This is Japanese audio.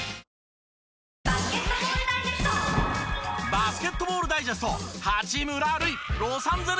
バスケットボールダイジェスト。